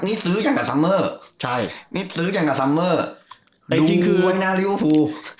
นี่ซื้อจังกับซัมเมอร์นี่ซื้อจังกับซัมเมอร์ดูไว้หน้าริวภูมิ